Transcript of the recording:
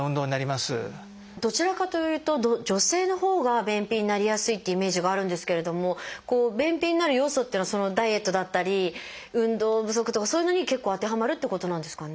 どちらかというと女性のほうが便秘になりやすいっていうイメージがあるんですけれども便秘になる要素っていうのはダイエットだったり運動不足とかそういうのに結構当てはまるってことなんですかね？